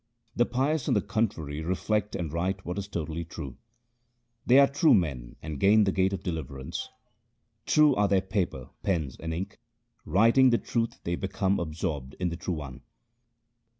The pious on the contrary reflect and write what is totally true ; They are true men and gain the gate of deliverance. True are their paper, pens, and ink ; writing the truth they become absorbed in the True One.